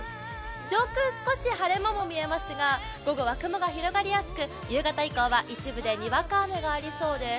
上空少し晴れ間も見えますが日中は雲が広がりやすく夕方以降は一部でにわか雨がありそうです。